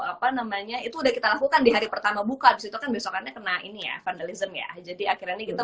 apa namanya itu udah kita lakukan di hari pertama buka besokannya kena ini ya jadi akhirnya kita